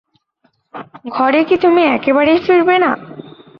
ঘরে কি তুমি একেবারেই ফিরবে না?